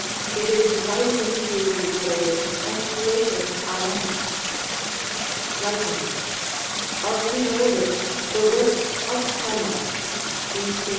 It is divided into the Older and Later Ionic. Wril/in^s. Of the Older, the works of Homer (B. C.